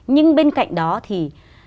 nhưng bên cạnh đó thì